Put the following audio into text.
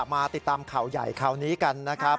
มาติดตามข่าวใหญ่ข่าวนี้กันนะครับ